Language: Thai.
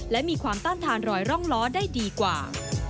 และมีความต้านทานรอยร่องล้อได้ดีกว่า